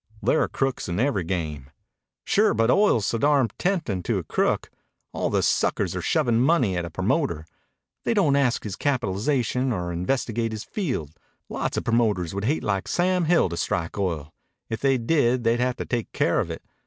"There are crooks in every game." "Sure, but oil's so darned temptin' to a crook. All the suckers are shovin' money at a promoter. They don't ask his capitalization or investigate his field. Lots o' promoters would hate like Sam Hill to strike oil. If they did they'd have to take care of it.